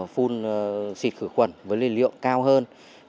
phun xịt khử quẩn với lưu lượng cao hơn